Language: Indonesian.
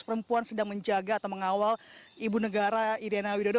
perempuan sedang menjaga atau mengawal ibu negara iryana widodo